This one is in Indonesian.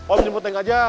om jemput neng aja